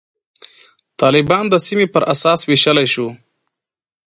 طالبان د سیمې پر اساس ویشلای شو.